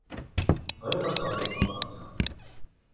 Bɣiɣ ad teɣreḍ tabrat-a.